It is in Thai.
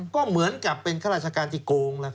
ก็เหมือนกับเป็นราชการที่โกง